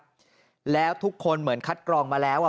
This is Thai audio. ทุกคนมีปืนครับแล้วทุกคนเหมือนคัดกรองมาแล้วอ่ะ